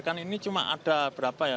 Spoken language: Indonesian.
kan ini cuma ada berapa ya